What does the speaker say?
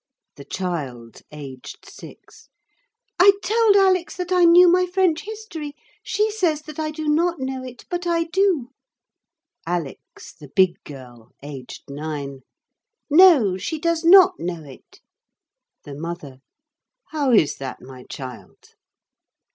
The child (aged six). I told Alix that I knew my French history. She says that I do not know it, but I do. Alix, the big girl (aged nine). No; she does not know it. The Mother. How is that, my child?